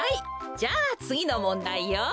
じゃあつぎのもんだいよ。